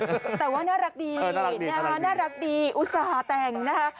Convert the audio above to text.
แต่ว่าน่ารักดีนะคะน่ารักดีอุตส่าห์แต่งนะคะ